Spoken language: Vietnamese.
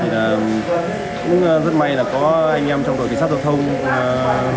rất may là có anh em trong đội kỳ sát thông thông miệng